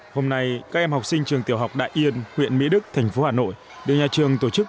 hôm nay các em học sinh trường tiểu học đại yên huyện mỹ đức thành phố hà nội được nhà trường tổ chức